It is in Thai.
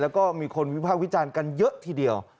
แล้วก็มีคนวิภาควิจารณ์กันเยอะทีเดียว